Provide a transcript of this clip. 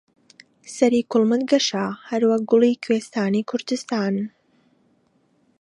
سەری کوڵمت گەشە هەروەک گوڵی کوێستانی کوردستان